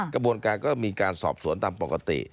กระบวนการก็มีการสอบสวนตามปกติ